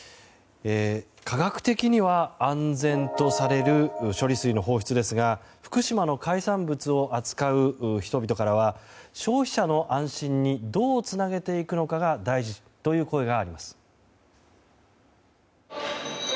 科学的には安全とされる処理水の放出ですが福島の海産物を扱う人々からは消費者の安心にどうつなげていくのかが大事という声があります。